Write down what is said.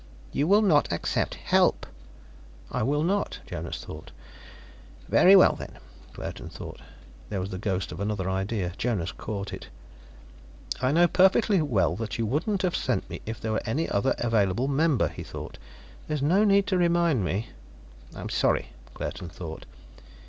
"You will not accept help " "I will not," Jonas thought. "Very well, then," Claerten thought. There was the ghost of another idea; Jonas caught it. "I know perfectly well that you wouldn't have sent me if there were any other available member," he thought. "There is no need to remind me." "I'm sorry," Claerten thought.